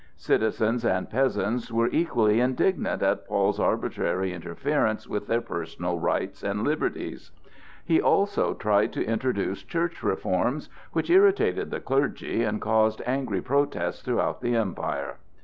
Citizens and peasants were equally indignant at Paul's arbitrary interference with their personal rights and liberties. He also tried to introduce church reforms, which irritated the clergy and caused angry protests throughout the Empire.